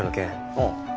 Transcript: ああ。